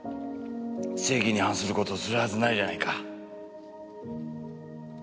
正義に反する事をするはずないじゃないか。